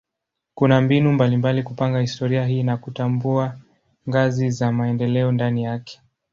Kuna mbinu mbalimbali kupanga historia hii na kutambua ngazi za maendeleo ndani yake.